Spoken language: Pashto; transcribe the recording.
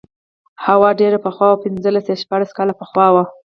هو دا ډېر پخوا و پنځلس یا شپاړس کاله پخوا و.